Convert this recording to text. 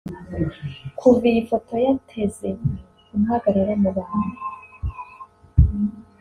Kuva iyi foto yateze impagarara mu bantu